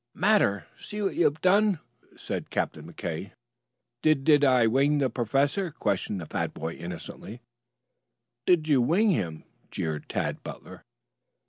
"Matter? See what you have done." "Di did I wing the professor?" questioned the fat boy innocently. "Did you wing him!" jeered Tad Butler.